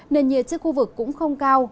nền nhiệt trên khu vực cũng không cao